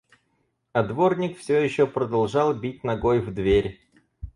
А дворник всё ещё продолжал бить ногой в дверь.